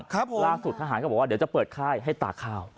ครับผมล่าสุดทหารก็บอกว่าเดี๋ยวจะเปิดค่ายให้ตากข้าว